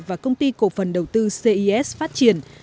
và công ty cổ phần đầu tư cesis phát triển